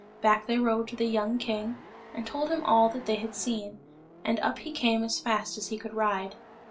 Back they rode to the young king and told him all that they had seen, and up he came as fast as he could ride.